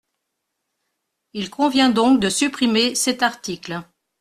Il convient donc de supprimer cet article.